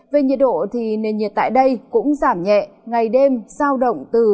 về nhiệt độ thì nền nhiệt tại đây cũng giảm nhẹ ngày đêm sao động từ hai mươi bốn ba mươi hai độ